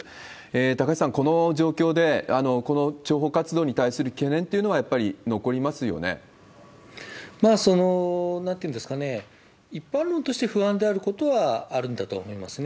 高橋さん、この状況で、この諜報活動に対する懸念っていうのは、やっぱり残りますよね？なんていうんですかね、一般論として不安であることはあるんだと思いますね。